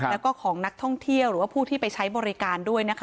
แล้วก็ของนักท่องเที่ยวหรือว่าผู้ที่ไปใช้บริการด้วยนะคะ